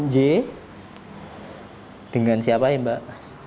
delapan j dengan siapa ya mbak